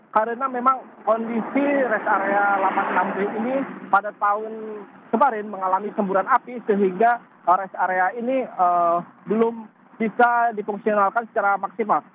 karena memang kondisi res area delapan puluh enam b ini pada tahun kemarin mengalami semburan api sehingga res area ini belum bisa dipungsionalkan secara maksimal